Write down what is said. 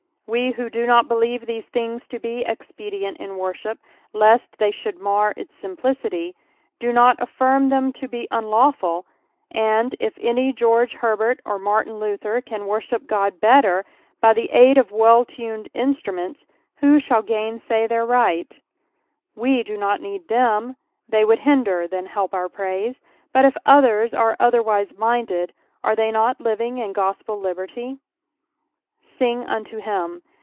We who do not believe these things to be expedient in worship, lest they should mar its simplicity, do not affirm them to be unlawful, and if an; George Herbert or Martin Luther can worship Qod better by the aid of wull tunea instruments, who shall gainsay their right 1 We do not need them, they would hinder than help our praise, but if others are otherwise minded, are they not living in gospel iibett; t " Sing unto him."